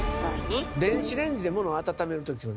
電子レンジでものを温める時というのはね